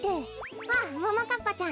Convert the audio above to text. あももかっぱちゃん。